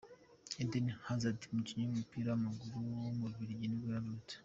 Eden Hazard, umukinnyi w’umupira w’amaguru w’umubiligi nibwo yavutse.